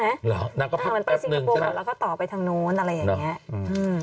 หรือเหรอนั่นก็พักแป๊บหนึ่งใช่ไหมแล้วก็ต่อไปทางโน้นอะไรอย่างนี้